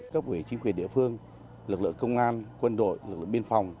các quỷ chính quyền địa phương lực lượng công an quân đội lực lượng biên phòng